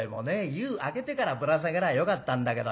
湯空けてからぶら下げりゃよかったんだけどよ。